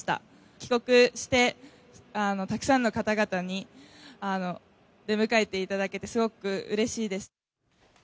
帰国して、たくさんの方々に出迎えていただけて、すごくうれしいです。